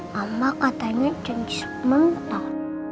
mama katanya janji sementar